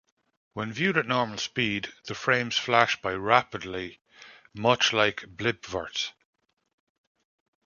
When viewed at normal speed, the frames flash by rapidly, much like blipverts.